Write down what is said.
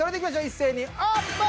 一斉にオープン。